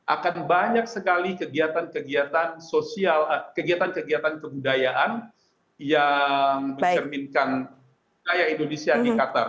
akan banyak sekali kegiatan kegiatan kebudayaan yang mencerminkan kaya indonesia di katar